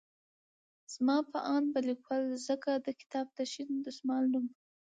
زما په اند به ليکوال ځکه د کتاب ته شين دسمال نوم